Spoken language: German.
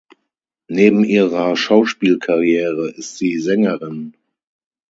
Neben ihrer Schauspielkarriere ist sie Sängerin.